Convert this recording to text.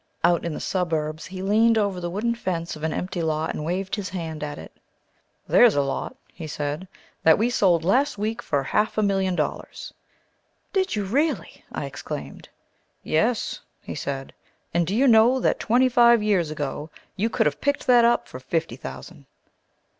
Out in the suburbs he leaned over the wooden fence of an empty lot and waved his hand at it. "There's a lot," he said, "that we sold last week for half a million dollars." "Did you really!" I exclaimed. "Yes," he said, "and do you know that twenty five years ago you could have picked that up for fifty thousand!"